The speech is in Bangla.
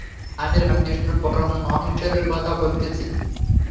আমি রামকৃষ্ণ পরমহংসের কথা বলিতেছি।